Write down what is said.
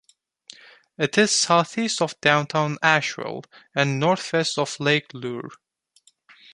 It is southeast of downtown Asheville and northwest of Lake Lure.